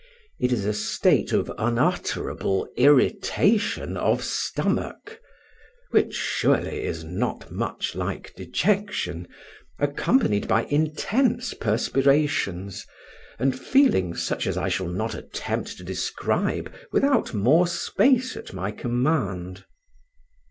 It is a state of unutterable irritation of stomach (which surely is not much like dejection), accompanied by intense perspirations, and feelings such as I shall not attempt to describe without more space at my command.